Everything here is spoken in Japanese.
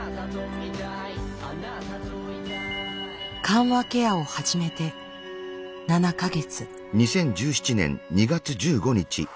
緩和ケアを始めて７か月。